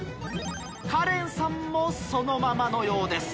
カレンさんもそのままのようです